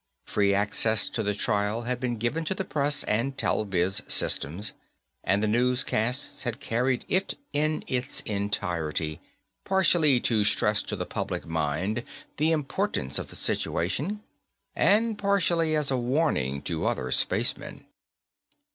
Free access to the trial had been given to the press and telviz systems, and the newscasts had carried it in its entirety, partially to stress to the public mind the importance of the situation, and partially as a warning to other spacemen.